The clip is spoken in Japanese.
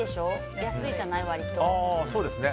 安いじゃない、割と。